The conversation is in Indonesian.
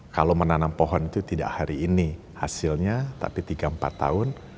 kalau menanam pohon itu tidak hari ini hasilnya tapi tiga empat tahun